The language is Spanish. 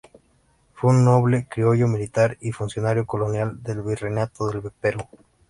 Fue un noble criollo, militar y funcionario colonial del Virreinato del Perú.